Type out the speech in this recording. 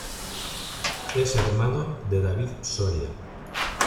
Es hermano de David Soria.